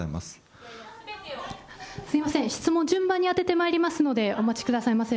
すみません、質問、順番に当ててまいりますので、お待ちくださいませ。